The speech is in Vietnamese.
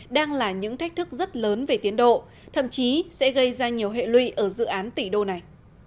đang là những thách thức rất lớn về tiến độ thậm chí sẽ gây ra nhiều hệ lụy ở dự án tỷ đô này